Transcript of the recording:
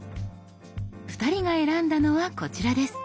２人が選んだのはこちらです。